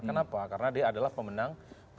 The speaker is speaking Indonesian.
kenapa karena dia adalah pemenang